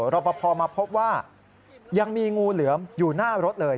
รอปภมาพบว่ายังมีงูเหลือมอยู่หน้ารถเลย